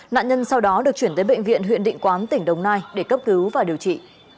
nạn nhân sau đó được chuyển tới bệnh viện huyện định quán tỉnh đồng nai để cấp cứu và điều trị